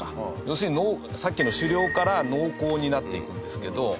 要するに、さっきの狩猟から農耕になっていくんですけど。